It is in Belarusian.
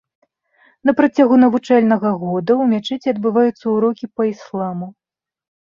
На працягу навучальнага года ў мячэці адбываюцца ўрокі па ісламу.